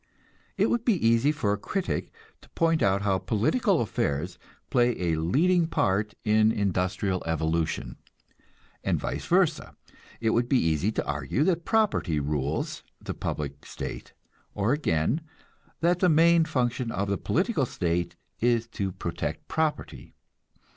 It would be easy for a critic to point out how political affairs play a leading part in industrial evolution, and vice versa; it would be easy to argue that property rules the political state, or again, that the main function of the political state is to protect property.